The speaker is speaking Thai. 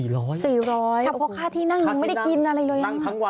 ครับเพราะค่าที่นั่งไม่ได้กินอะไรเลย